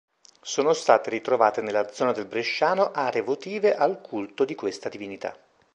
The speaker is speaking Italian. Sono state ritrovate nella zona del bresciano are votive al culto di questa divinità.